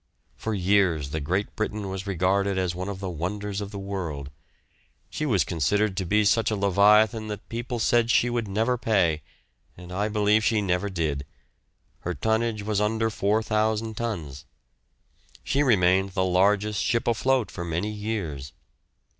For years the "Great Britain" was regarded as one of the wonders of the world. She was considered to be such a leviathan that people said she would never pay, and I believe she never did; her tonnage was under 4,000 tons. She remained the largest ship afloat for many years.